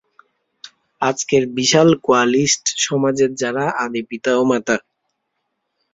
আজকের বিশাল কোয়ালিস্ট সমাজের যারা আদি পিতা ও মাতা।